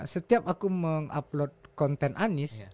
setiap aku mengupload konten anies